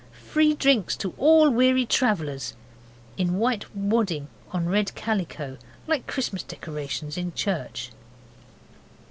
Free Drinks to all Weary Travellers', in white wadding on red calico, like Christmas decorations in church.